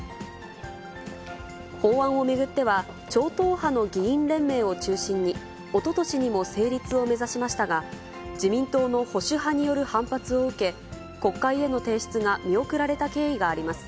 法案を巡っては、超党派の議員連盟を中心に、おととしにも成立を目指しましたが、自民党の保守派による反発を受け、国会への提出が見送られた経緯があります。